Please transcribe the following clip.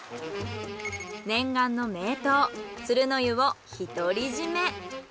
念願の名湯鶴の湯を独り占め。